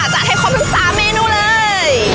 จัดให้ความทั้งทั้ง๓เมนูเลย